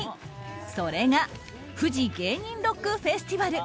それが「フジ芸人ロックフェスティバル」。